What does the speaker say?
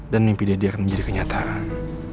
dan mimpi deddy akan menjadi kenyataan